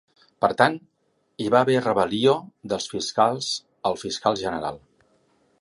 Per tant, hi va haver rebel·lió dels fiscals al fiscal general.